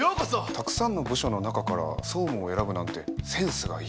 たくさんの部署の中から総務を選ぶなんてセンスがいい。